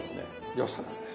良さなんです。